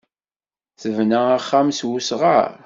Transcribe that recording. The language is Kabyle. Tebna axxam s wesɣar.